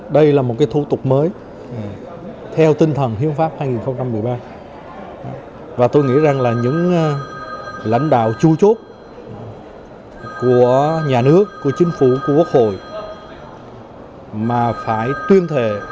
đây là một thủ tục mới theo tinh thần